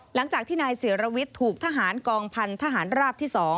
หลังจากที่นายศิรวิทย์ถูกทหารกองพันธหารราบที่๒